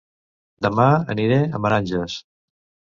Dema aniré a Meranges